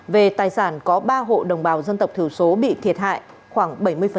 về tài sản có ba hộ đồng bào dân tộc thiểu số bị thiệt hại khoảng bảy mươi